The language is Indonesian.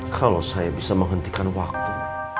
kalau saya bisa menghentikan waktu